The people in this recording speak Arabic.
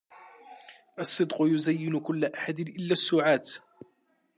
الصِّدْقُ يُزَيِّنُ كُلَّ أَحَدٍ إلَّا السُّعَاةَ